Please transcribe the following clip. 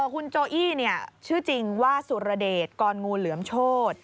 คุณโจอี้ชื่อจริงว่าสุรเดชกรงูเหลือมโชธ